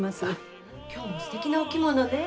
今日もすてきなお着物ね。